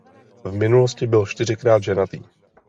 V minulosti byl čtyřikrát ženatý.